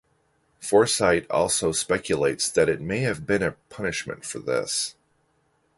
Forsythe also speculates that it may have been a punishment for this.